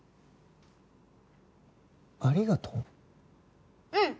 「ありがとう」？